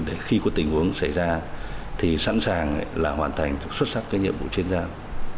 để khi có tình huống xảy ra thì sẵn sàng là hoàn thành xuất sắc cái nhiệm vụ trên giao